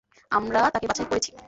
আমরা তাকে বাছাই করেছি।